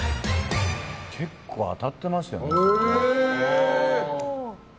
結構当たってますよ。